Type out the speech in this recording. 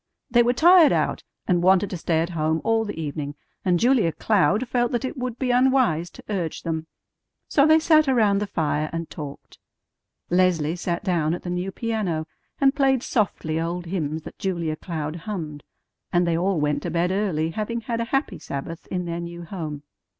They were tired out, and wanted to stay at home all the evening, and Julia Cloud felt that it would be unwise to urge them; so they sat around the fire and talked. Leslie sat down at the new piano, and played softly old hymns that Julia Cloud hummed; and they all went to bed early, having had a happy Sabbath in their new home.